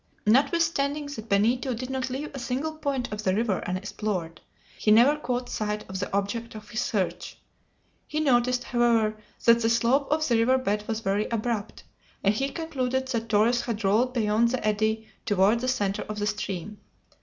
Notwithstanding that Benito did not leave a single point of the river unexplored, he never caught sight of the object of his search. He noticed, however, that the slope of the river bed was very abrupt, and he concluded that Torres had rolled beyond the eddy toward the center of the stream.